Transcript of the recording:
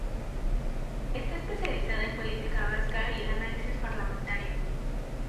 Está especializada en política vasca y el análisis parlamentario.